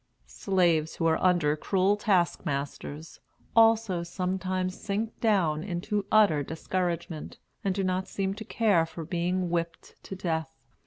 Slaves, who are under cruel taskmasters, also sometimes sink down in utter discouragement, and do not seem to care for being whipped to death.